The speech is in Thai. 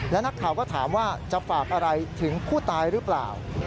และนักข่าวก็ถามว่าจะฝากอะไรถึงผู้ตายหรือเปล่า